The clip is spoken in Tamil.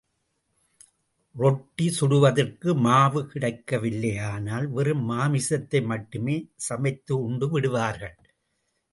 ரொட்டி சுடுவதற்கு மாவு கிடைக்கவில்லையானால், வெறும் மாமிசத்தை மட்டுமே சமைத்து உண்டு விடுவார்கள்.